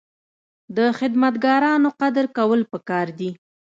د خدمتګارانو قدر کول پکار دي.